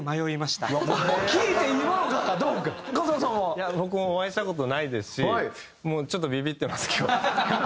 いや僕もお会いした事ないですしちょっとビビってます今日。